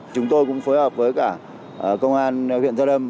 chúng tôi cũng phối hợp với cả công an huyện gia lâm